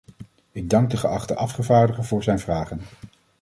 Ik dank de geachte afgevaardigde voor zijn vragen.